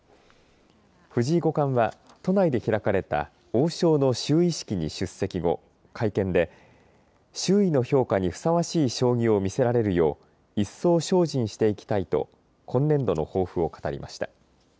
藤井五冠は都内で開かれた王将の就位式に出席後会見で、周囲の評価にふさわしい将棋を見せられるよう一層精進していきたいと今年度の抱負を語りました。